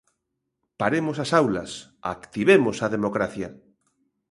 Paremos as aulas, activemos a democracia.